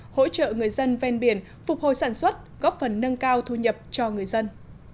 hỗ trợ người dân ven biển phục hồi sản xuất góp phần nâng cao thu nhập cho người dân